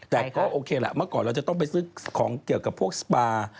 แต่ก็โอเคล่ะเมื่อก่อนเราจะต้องไปซื้อของเกี่ยวกับพวกสปา